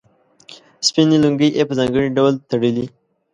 سپینې لونګۍ یې په ځانګړي ډول تړلې.